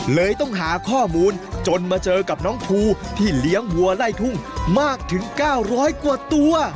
เลยต้องหาข้อมูลจนมาเจอกับน้องภูที่เลี้ยงวัวไล่ทุ่งมากถึง๙๐๐กว่าตัว